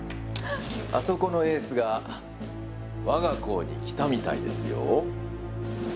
あそこのエースが我が校に来たみたいですよ。